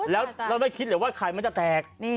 แล้วเราไม่คิดเลยว่าไข่มันจะแตก